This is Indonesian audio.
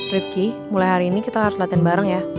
rifki mulai hari ini kita harus latihan bareng ya